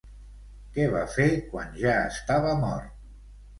Què va fer, quan ja estava mort?